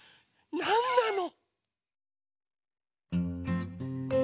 なんなの？